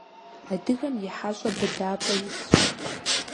Адыгэм и хьэщӀэ быдапӀэ исщ.